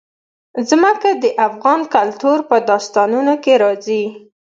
ځمکه د افغان کلتور په داستانونو کې راځي.